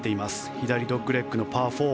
左ドッグレッグのパー４。